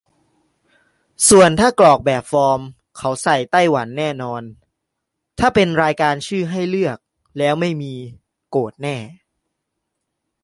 ส่วนถ้ากรอกแบบฟอร์ม เขาใส่ไต้หวันแน่นอน - ถ้าเป็นรายชื่อให้เลือก แล้วไม่มี โกรธแน่